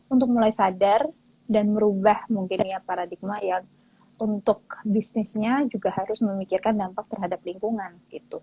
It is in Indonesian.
untuk mulai sadar dan merubah mungkin paradigma yang untuk bisnisnya juga harus memikirkan dampak terhadap lingkungan